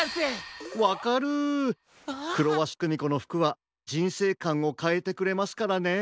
わかるクロワシクミコのふくはじんせいかんをかえてくれますからね。